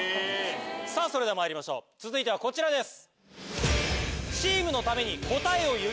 さぁそれではまいりましょう続いてはこちらです。